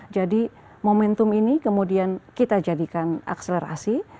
jadi momentum ini kemudian kita jadikan akselerasi